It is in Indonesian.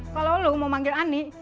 kalau lo mau manggil ani